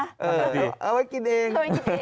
เอาไว้กินเอง